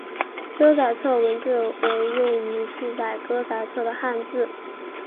歌仔册文字为用于记述歌仔册的汉字。